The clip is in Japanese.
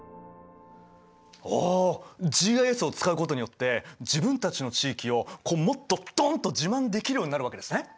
おおＧＩＳを使うことによって自分たちの地域をもっとドンっと自慢できるようになるわけですね。